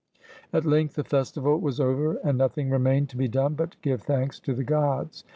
At length the festival was over, and nothing remained to be done but to give thanks to the gods.